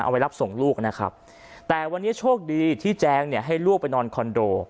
เอาไว้รับส่งลูกนะครับแต่วันนี้โชคดีที่แจงเนี่ยให้ลูกไปนอนคอนโด